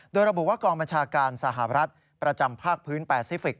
โดยระบุว่ากองบัญชาการสหรัฐประจำภาคพื้นแปซิฟิกส